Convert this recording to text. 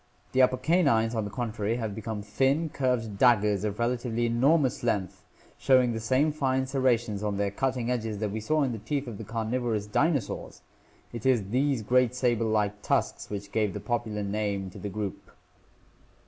The upper canines, on the contrary, have become thin curved daggers of relatively enor mous length, showing the same fine serrations on their cutting edges that we saw in the teeth of the carnivorous dinosaurs! It is these great saber like tusks which give the popular name to the group.